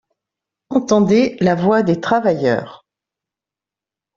Entendez la voix des travailleurs.